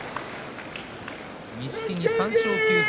錦木は３勝９敗